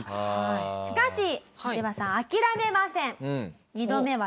しかしイチバさん諦めません。